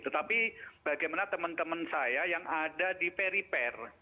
tetapi bagaimana teman teman saya yang ada di periper